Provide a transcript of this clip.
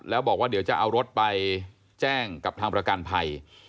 แล้วบอกว่าเดี๋ยวจะเอารถไปแจ้งกับทางประกันภัย